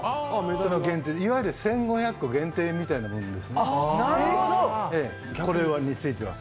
いわゆる１５００個限定みたいなものですね、これについては。